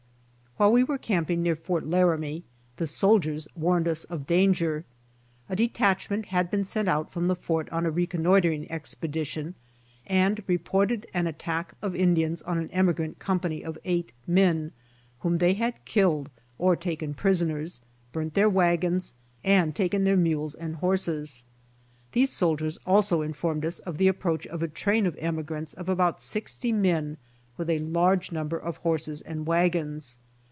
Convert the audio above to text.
While we were camping near Fort Laramie, the soldiers warned us of danger. A detachment had been sent out from the fort on a reconnoitering expedition and reported an attack of Indians on an emigrant comipany of eight men, whom they had killed or taken prisoners, burnt their wagons and taken their mules and horses. These soldiers also informed us of the approach of a train of emigrants of about sixty men with a large number of horses and wagons.